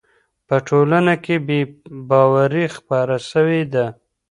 په ټولنه کي بې باوري خپره سوې ده.